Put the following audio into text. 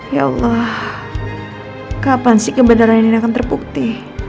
ya allah kapan sih kebenaran ini akan terbukti